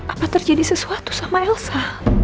apa terjadi sesuatu sama elsa